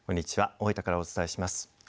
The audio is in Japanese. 大分からお伝えします。